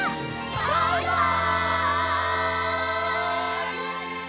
バイバイ！